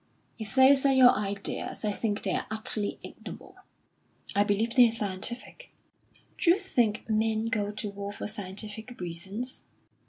"If those are your ideas, I think they are utterly ignoble." "I believe they're scientific." "D'you think men go to war for scientific reasons?"